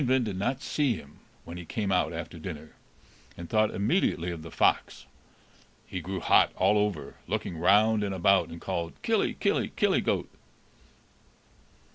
] Oeyvind did not see him when he came out after dinner, and thought immediately of the fox. He grew hot all over, looked round about, and called, "Killy killy killy goat!"